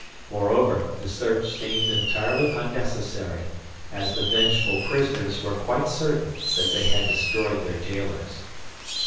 Moreover, the search seemed entirely unnecessary, as the vengeful prisoners were quite certain that they had destroyed their jailers.